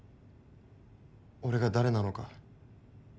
俺が誰なのか。